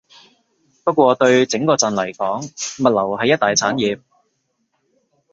不過對整個鎮嚟講，物流係一大產業